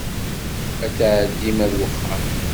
Ad tɛeddim ar wexxam.